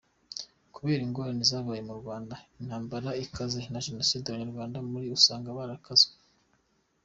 Kubera ingorane zabaye mu Rwanda, intambara ikaze na Genocide, Abanyarwanda muri usange barakanzwe.